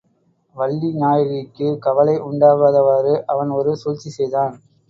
வள்ளிநாயகிக்குக் கவலை உண்டாகாதவாறு அவன் ஒரு சூழ்ச்சி செய்தான்.